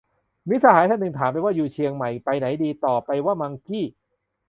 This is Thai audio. มิตรสหายท่านหนึ่งถามว่า อยู่เชียงใหม่ ไปไหนดี ตอบไปว่า มังกี้